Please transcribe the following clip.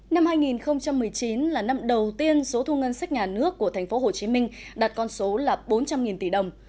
năm hai nghìn một mươi chín là năm đầu tiên số thu ngân sách nhà nước của tp hcm đạt con số là bốn trăm linh tỷ đồng